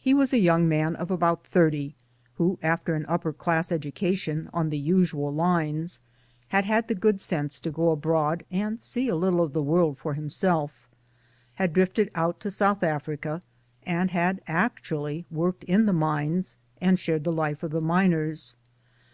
He was a young man of about thirty, who after an upper class education on the usual lines had had the good sense to gx> abroad and see a little of the world for himself ; had drifted out to South Africa, and had actually worked in the mines and shared the life of the miners.